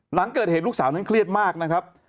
หลังเกิดเหตุลูกสาวนั้นเครียดมากนะครับ